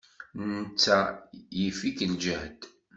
Netta yif-ik ljehd.